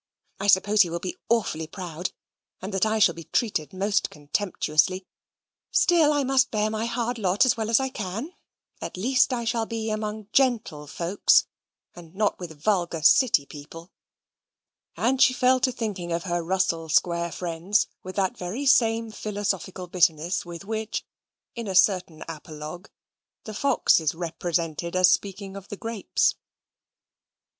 I suppose he will be awfully proud, and that I shall be treated most contemptuously. Still I must bear my hard lot as well as I can at least, I shall be amongst GENTLEFOLKS, and not with vulgar city people": and she fell to thinking of her Russell Square friends with that very same philosophical bitterness with which, in a certain apologue, the fox is represented as speaking of the grapes.